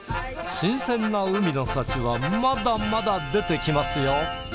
新鮮な海の幸はまだまだ出てきますよ。